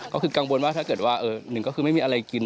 ก็คือกังวลว่าถ้าเกิดว่าหนึ่งก็คือไม่มีอะไรกิน